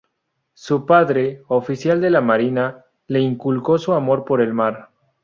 Su padre, oficial de la marina, le inculcó su amor por el mar.